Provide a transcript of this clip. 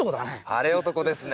晴れ男ですね。